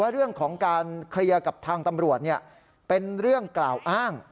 เรื่องของการเคลียร์กับทางตำรวจเป็นเรื่องกล่าวอ้าง